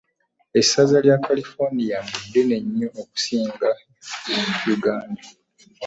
Essaza lya California mbu ddene nnyo okusinga Yuganda.